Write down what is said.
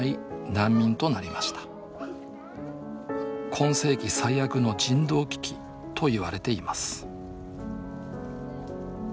「今世紀最悪の人道危機」と言われています